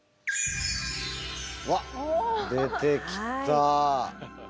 うわっ出てきた。